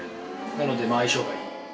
なので相性がいい。